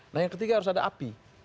nah yang ketiga harus ada api